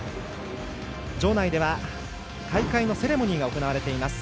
場内では開会のセレモニーが行われています。